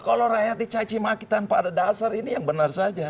kalau rakyat dicacimaki tanpa ada dasar ini yang benar saja